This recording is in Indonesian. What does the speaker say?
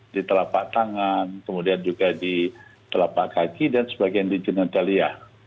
di telapak tangan kemudian juga di telapak kaki dan sebagian di genetalia